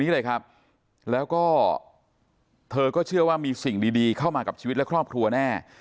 เราก็เชื่อว่ามีสิ่งดีเข้ามาชีวิตและครอบครัวแน่